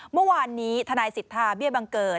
เมื่อวานนี้ทนายสิทธาเบี้ยบังเกิด